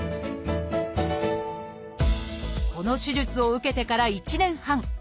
この手術を受けてから１年半。